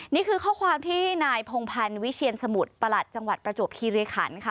นี่คือข้อความที่นายพงพันธ์วิเชียนสมุทรประหลัดจังหวัดประจวบคีริขันค่ะ